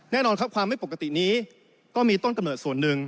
แน่นอนครับความไม่ปกตินี้ก็มีต้นกำเนิดส่วนหนึ่ง